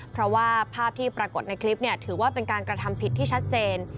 เพราะว่าภาพที่ปรากฏในคลิปถือว่าเป็นการกระทำผิดที่ชัดเจน